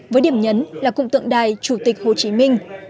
với điểm nhấn là cụm tượng đài chủ tịch hồ chí minh